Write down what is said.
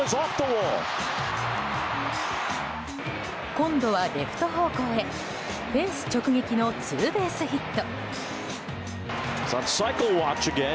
今度はレフト方向へフェンス直撃のツーベースヒット。